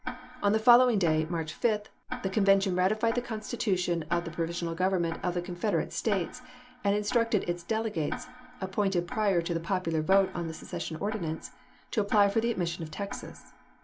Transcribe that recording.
On the following day (March 5) the convention ratified the constitution of the provi sional government of the Confederate States, and instructed its delegates (appointed prior to the Committee popular votc ou thc scccssiou Ordinance) to apply Mar.'sTisol' foi' ^^® admission of Texas.